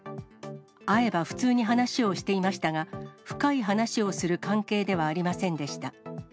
会えば、普通に話をしていましたが、深い話をする関係ではありませんでした。